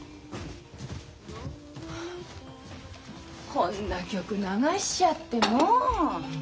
こんな曲流しちゃってもう。